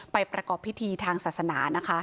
ประกอบพิธีทางศาสนานะคะ